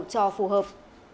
cho phù hợp